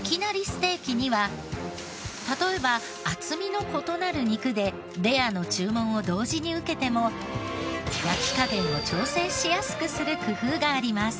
ステーキには例えば厚みの異なる肉でレアの注文を同時に受けても焼き加減を調整しやすくする工夫があります。